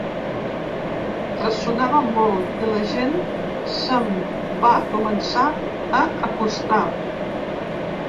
Ressonava molt i la gent se’m va començar a acostar.